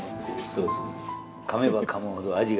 そうそう。